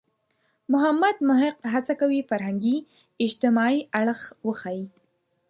محمد محق هڅه کوي فرهنګي – اجتماعي اړخ وښيي.